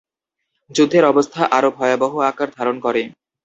যুদ্ধের অবস্থা আরো ভয়াবহ আকার ধারণ করে।